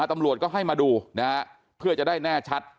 ตำรวจก็ให้มาดูนะฮะเพื่อจะได้แน่ชัด